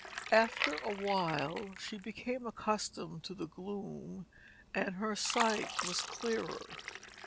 After a while she became accustomed to the gloom and her sight was clearer.